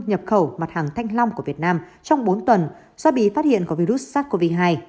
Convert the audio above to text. nhập khẩu mặt hàng thanh long của việt nam trong bốn tuần do bị phát hiện có virus sars cov hai